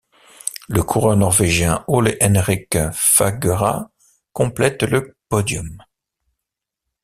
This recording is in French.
Le coureur norvégien Ole Henrik Fagerås complète le podium.